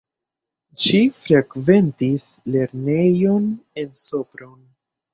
Ŝi frekventis lernejon en Sopron.